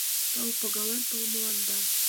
Тау пагален толмыланда!